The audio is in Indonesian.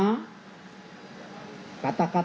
kata kata yang saya lakukan adalah berharga